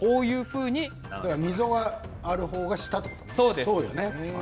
溝がある方が下ということだね。